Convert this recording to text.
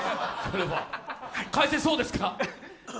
返せそうですか？